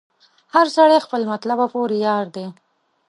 هر سړی خپل تر مطلب پوري یار دی